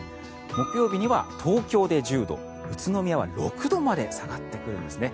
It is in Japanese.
木曜日には東京で１０度宇都宮は６度まで下がってくるんですね。